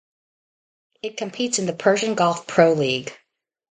It competes in the Persian Gulf Pro League.